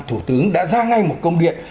thủ tướng đã ra ngay một công điện